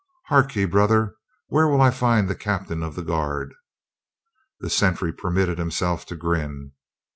"Hark ye, brother, where will I find the captain of the guard?" The sentry permitted himself to grin.